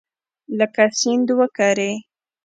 لکه سیند وکرې